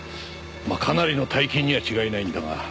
まあかなりの大金には違いないんだが。